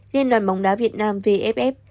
liên đoàn bóng đá việt nam vff